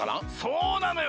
そうなのよ